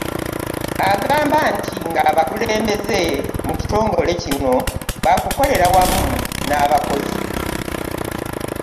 Agamba nti ng'abakulembeze mu kitongole kino ba kukolera wamu n'abakozi